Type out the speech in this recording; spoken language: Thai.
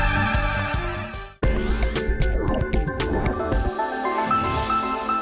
โปรดติดตามตอนต่อไป